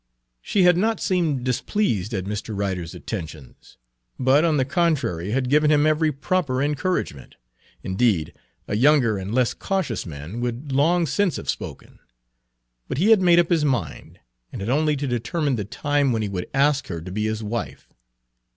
She had not seemed displeased at Mr. Ryder's attentions, but on the contrary had given him every proper encouragement; indeed, a younger and less cautious man would long since have spoken. But he had made up his mind, and had only to determine the time when he would ask her to be his wife.